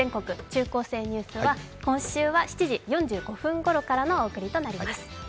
中高生ニュース」は今週は７時４５分からのお送りとなります。